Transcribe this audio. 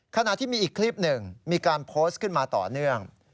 ขณะที่มีอีกคลิปหนึ่งมีการโพสต์ขึ้นมาต่อเนื่อง